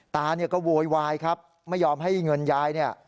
ตาก็โวยวายครับไม่ยอมให้เงินยาย